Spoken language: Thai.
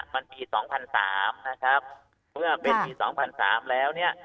มันปีสองพันสามนะครับเพื่อเป็นปีสองพันสามแล้วเนี่ย